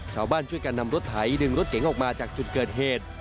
ชาวบ้านช่วยกันนำรถไถดึงรถเก๋งออกมาจากจุดเกิดเหตุ